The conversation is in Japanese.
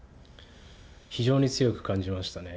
非常に強く感じましたね。